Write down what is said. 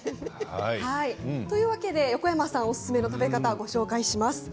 横山さんおすすめの食べ方をご紹介します。